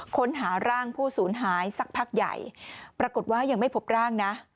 ค้นหาร่างผู้สูญหายสักพักใหญ่ปรากฏว่ายังไม่พบร่างนะ